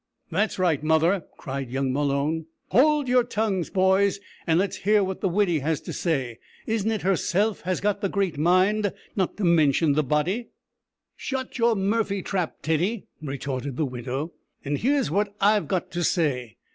"That's right, mother," cried young Malone, "howld yer tongues, boys, and let's hear what the widdy has to say. Isn't it herself has got the great mind not to mintion the body?" "Shut your murphy trap, Teddy," retorted the widow, "an' here's what I've got to say.